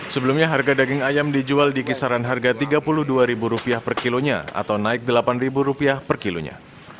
sebelumnya harga daging ayam dijual di kisaran harga rp tiga puluh dua per kilonya atau naik rp delapan per kilonya